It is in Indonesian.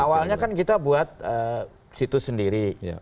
awalnya kan kita buat situs sendiri